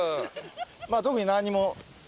まあ特に何にも。